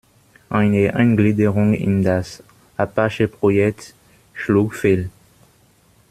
Eine Eingliederung in das Apache-Projekt schlug fehl.